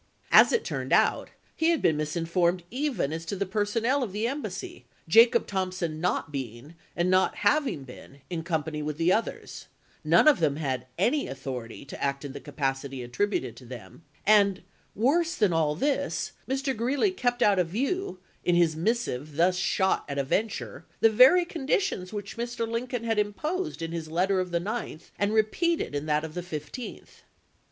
As it turned out, he had been misinformed even as to the personnel of the embassy, Jacob Thompson not being, and not having been, in company with the others; none of them had any authority to act in the capacity attributed to them; and, worse than all this, Mr. Greeley kept out of view, in his missive thus shot at a venture, the very conditions which Mr. Lincoln had imposed in his letter of the 9th and repeated in that of the 15th.